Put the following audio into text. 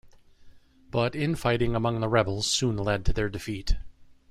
But in-fighting among the rebels soon led to their defeat.